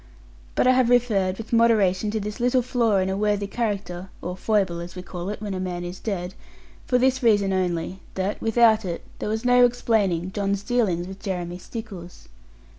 But I have referred, with moderation, to this little flaw in a worthy character (or foible, as we call it, when a man is dead) for this reason only that without it there was no explaining John's dealings with Jeremy Stickles.